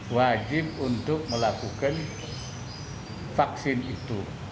wajib untuk melakukan vaksin itu